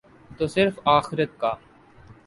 تو صرف آخرت کا۔